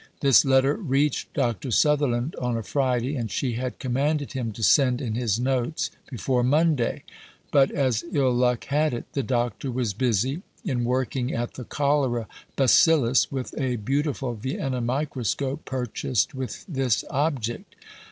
This letter reached Dr. Sutherland on a Friday, and she had commanded him to send in his notes "before Monday." But, as ill luck had it, the Doctor was busy "in working at the cholera bacillus with a beautiful Vienna microscope purchased with this object."